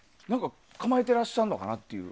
構えてらっしゃるのかなっていう。